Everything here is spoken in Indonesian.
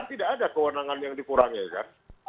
tidak ada kewenangan yang dikurangi kan